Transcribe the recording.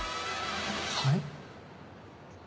はい？